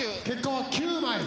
結果は９枚。